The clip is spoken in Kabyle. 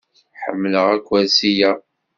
Ḥemmleɣ akersi-a.